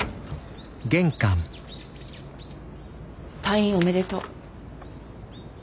退院おめでとう。